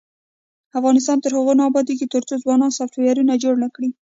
افغانستان تر هغو نه ابادیږي، ترڅو ځوانان سافټویرونه جوړ نکړي.